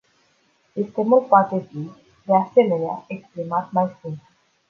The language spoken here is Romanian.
Sistemul poate fi, de asemenea, exprimat mai simplu.